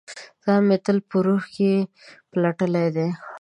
ځان مې تل په روح کې پلټلي دی